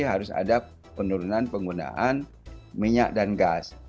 harus ada penurunan penggunaan minyak dan gas